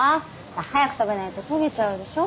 早く食べないと焦げちゃうでしょ。